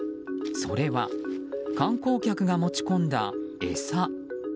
それは観光客が持ち込んだ餌。